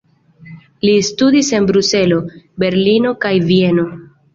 Li studis en Bruselo, Berlino kaj Vieno.